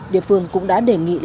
địa phương cũng đã đề nghị